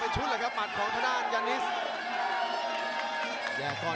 ประโยชน์ทอตอร์จานแสนชัยกับยานิลลาลีนี่ครับ